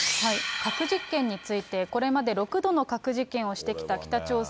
核実験について、これまで６度の核実験をしてきた北朝鮮。